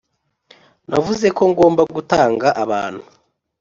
navuze ko ngomba gutanga abantu